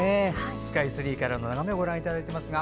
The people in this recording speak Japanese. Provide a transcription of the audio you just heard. スカイツリーからの眺めをご覧いただいています。